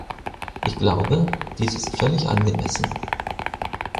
Ich glaube, dies ist völlig angemessen.